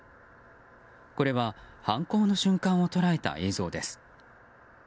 これは犯行の瞬間を捉えた映像です。